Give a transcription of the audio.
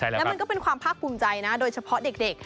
แล้วมันก็เป็นความภาคภูมิใจนะโดยเฉพาะเด็ก